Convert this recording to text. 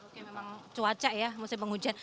oke memang cuaca ya musim penghujan